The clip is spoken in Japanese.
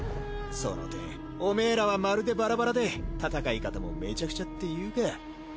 その点オメエらはまるでバラバラで戦い方もめちゃくちゃっていうか。